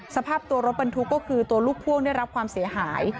สภาพตัวรถบรรทุกก็คือตัวลูกพ่วงได้รับความเสียหาย